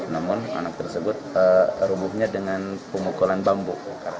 namun anak tersebut rubuhnya dengan pemukulan bambu